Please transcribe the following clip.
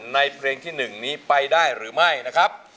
เพลงที่๑นี้ไปได้หรือไม่นะครับ